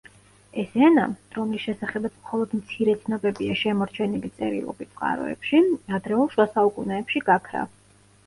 ეს ენა, რომლის შესახებაც მხოლოდ მცირე ცნობებია შემორჩენილი წერილობით წყაროებში, ადრეულ შუა საუკუნეებში გაქრა.